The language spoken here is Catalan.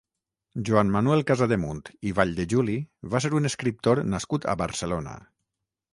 Joan Manuel Casademunt i Valldejuli va ser un escriptor nascut a Barcelona.